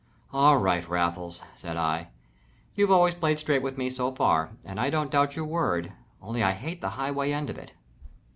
"All right, Raffles," said I. "You've always played straight with me, so far, and I don't doubt your word only I hate the highway end of it."